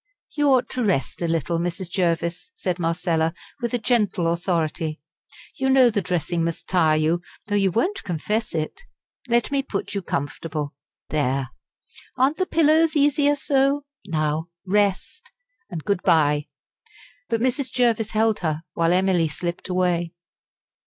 "You ought to rest a little, Mrs. Jervis," said Marcella, with gentle authority. "You know the dressing must tire you, though you won't confess it. Let me put you comfortable. There; aren't the pillows easier so? Now rest and good bye." But Mrs. Jervis held her, while Emily slipped away.